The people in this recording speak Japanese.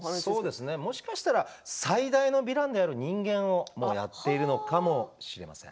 もしかしたら最大のヴィランである人間をやっているのかもしれません。